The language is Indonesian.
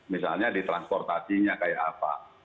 misalnya di transportasinya kayak apa